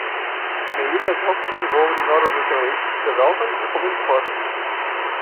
Mayo has also been involved in other regeneration, development and community projects.